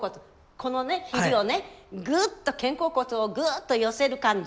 このね肘をねぐっと肩甲骨をぐっと寄せる感じ。